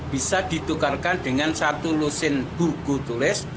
bisa ditukarkan dengan satu lusin buku tulis